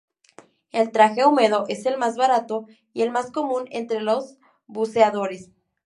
El traje húmedo es el más barato y el más común entre los buceadores.